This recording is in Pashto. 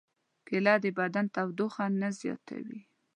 کېله د بدن تودوخه نه زیاتوي.